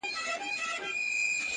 حمزه حیا داسې ښکلا بولي